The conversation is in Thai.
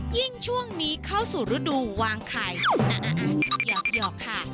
ยิ่งช่วงนี้เข้าสู่ฤดูวางไข่หยอกค่ะ